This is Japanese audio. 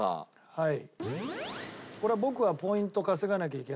はい。